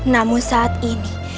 namun saat ini